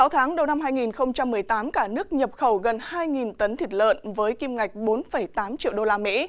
sáu tháng đầu năm hai nghìn một mươi tám cả nước nhập khẩu gần hai tấn thịt lợn với kim ngạch bốn tám triệu usd